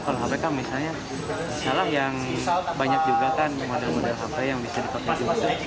kalau hp kan misalnya misalnya yang banyak juga kan model model hp yang bisa dipakai